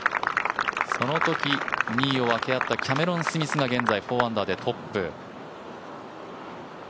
そのとき２位を分け合ったキャメロン・スミスが現在４アンダーでトップ。